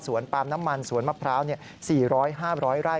ปาล์มน้ำมันสวนมะพร้าว๔๐๐๕๐๐ไร่